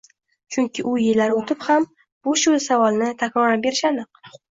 Chunki u yillar o'tib ham shu savolni takroran berishi aniq!